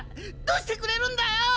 どうしてくれるんだよ！